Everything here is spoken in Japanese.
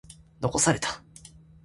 残された。